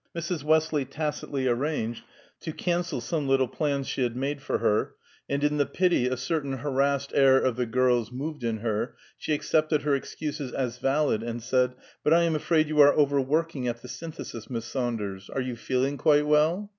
Mrs. Westley tacitly arranged to cancel some little plans she had made for her, and in the pity a certain harassed air of the girl's moved in her, she accepted her excuses as valid, and said, "But I am afraid you are overworking at the Synthesis, Miss Saunders. Are you feeling quite well?"